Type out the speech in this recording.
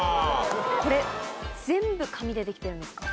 これ全部紙でできてるんですか？